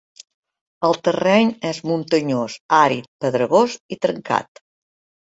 El terreny és muntanyós, àrid, pedregós i trencat.